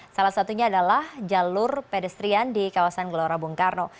salah satunya adalah jalur pedestrian di kawasan gelora bung karno